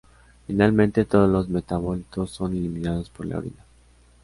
Finalmente, todos los metabolitos son eliminados por la orina.